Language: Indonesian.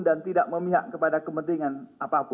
dan tidak memihak kepada kepentingan apapun